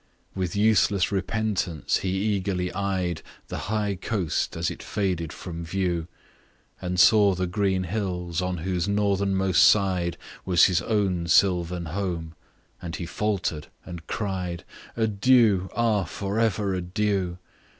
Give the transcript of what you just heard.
With useless repentance he eagerly eyed The high coast as it faded from view, And saw the green hills, on whose northernmost side Was his own silvan home: and he falter'd, and cried, "Adieu! ah! for ever adieu!